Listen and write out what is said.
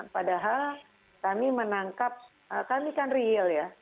padahal kami menangkap kami kan real ya